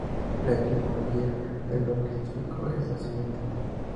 La etimología del nombre científico es la siguiente.